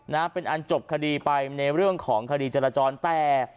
นะเป็นอันจบคดีไปในเรื่องของคดีจราจรแต่